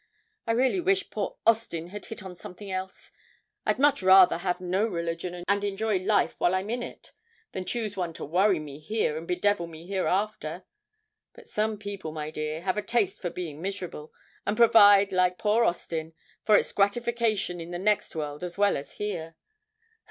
I really wish poor Austin had hit on something else; I'd much rather have no religion, and enjoy life while I'm in it, than choose one to worry me here and bedevil me hereafter. But some people, my dear, have a taste for being miserable, and provide, like poor Austin, for its gratification in the next world as well as here.